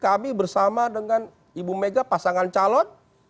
kami bersama dengan ibu mega pasangan calon